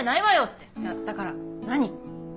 いやだから何？